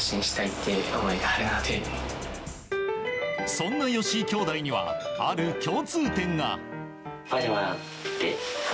そんな吉居兄弟にはある共通点が。